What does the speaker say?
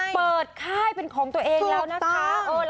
เปิดแค่เป็นของตัวเองแล้วนะคะ